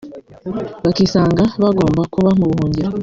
bakisanga bagomba kuba mu buhungiro